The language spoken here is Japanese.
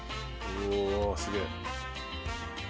おおすげえ。